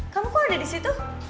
kamu kok ada disitu